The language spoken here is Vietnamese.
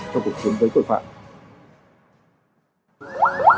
trong cuộc chiến với tội phạm